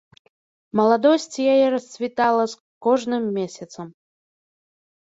Маладосць яе расцвітала з кожным месяцам.